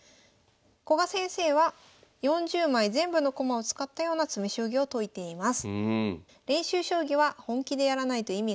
「古賀先生は４０枚全部の駒を使ったような詰将棋を解いています」。